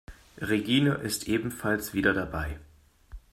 Regine ist ebenfalls wieder dabei.